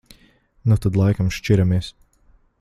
Nu tad laikam šķiramies.